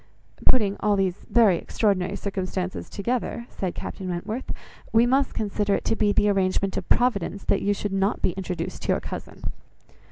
"Putting all these very extraordinary circumstances together," said Captain Wentworth, "we must consider it to be the arrangement of Providence, that you should not be introduced to your cousin."